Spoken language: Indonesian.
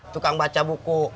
tukang baca buku